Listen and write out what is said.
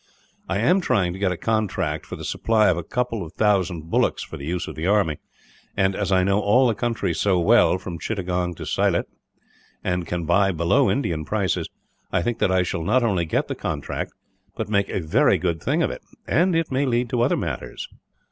I am trying to get a contract for the supply of a couple of thousand bullocks, for the use of the army; and as I know all the country so well, from Chittagong to Sylhet, and can buy below Indian prices, I think that I shall not only get the contract, but make a very good thing of it, and it may lead to other matters."